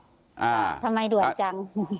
ทำไมด่วนจัง